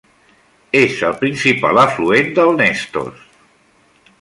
És el principal afluent del Nestos.